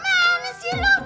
gimana sih lu